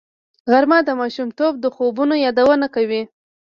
غرمه د ماشومتوب د خوبونو یادونه کوي